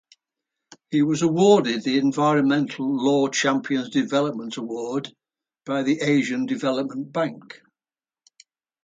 He was awarded the Environmental Law Champions Development Award by the Asian Development Bank.